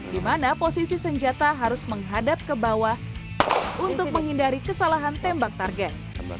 di mana posisi senjata harus menghadap ke bawah untuk menghindari kesalahan tembak target